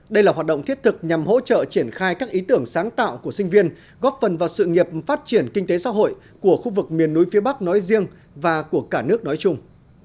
đây là hoạt động thiết thực nhằm hỗ trợ triển khai các ý tưởng sáng tạo của sinh viên góp phần vào sự nghiệp phát triển kinh tế xã hội của khu vực miền núi phía bắc nói riêng và của cả nước nói chung